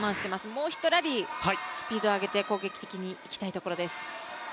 もう一ラリー、スピードを上げて攻撃的にいきたいところです。